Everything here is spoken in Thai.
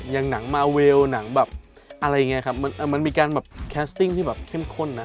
หนังมาเวลหนังแบบอะไรอย่างนี้ครับมันมีการแบบแคสติ้งที่แบบเข้มข้นนะ